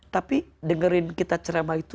tapi dengerin kita ceramah itu